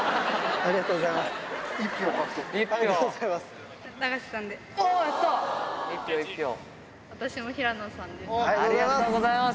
ありがとうございます。